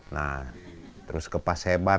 nah terus ke paseban